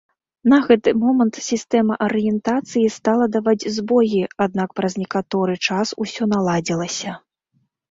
На гэты момант сістэма арыентацыі стала даваць збоі, аднак праз некаторы час усё наладзілася.